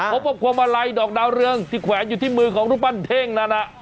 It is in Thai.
พบว่าพวงมาลัยดอกดาวเรืองที่แขวนอยู่ที่มือของรูปปั้นเท่งนั้น